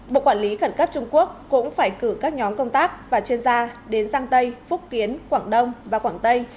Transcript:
bộ quản lý khẩn cấp trung quốc cũng phải cử các nhóm công tác và chuyên gia đến giang tây phúc kiến quảng đông và quảng tây